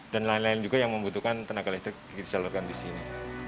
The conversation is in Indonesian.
dan lain lain juga yang membutuhkan tenaga listrik disalurkan di sini